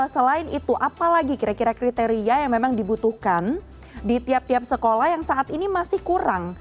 selain itu apalagi kira kira kriteria yang memang dibutuhkan di tiap tiap sekolah yang saat ini masih kurang